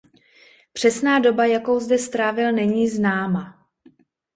Přesná doba jakou zde strávil není známa.